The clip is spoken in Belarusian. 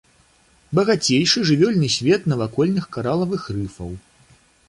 Багацейшы жывёльны свет навакольных каралавых рыфаў.